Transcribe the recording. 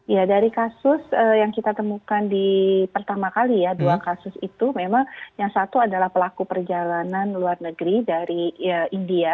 ya dari kasus yang kita temukan di pertama kali ya dua kasus itu memang yang satu adalah pelaku perjalanan luar negeri dari india